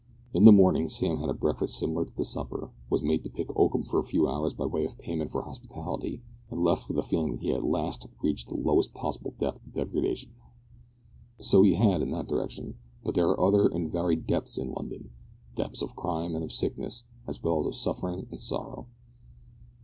In the morning Sam had a breakfast similar to the supper; was made to pick oakum for a few hours by way of payment for hospitality, and left with a feeling that he had at last reached the lowest possible depth of degradation. So he had in that direction, but there are other and varied depths in London depths of crime and of sickness, as well as of suffering and sorrow!